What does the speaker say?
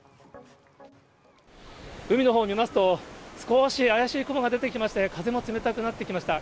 海のほうを見ますと、少し怪しい雲が出てきまして、風も冷たくなってきました。